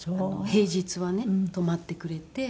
平日はね泊まってくれて。